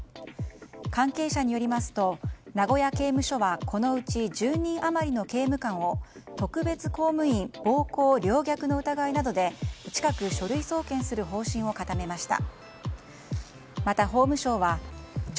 関係者によりますと名古屋刑務所はこのうち１０人余りの刑務官を特別公務員暴行陵虐の疑いなどで近く書類送検する方針を固めました。